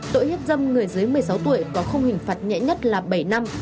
tội hiếp dâm người dưới một mươi sáu tuổi có khung hình phạt nhẹ nhất là bảy năm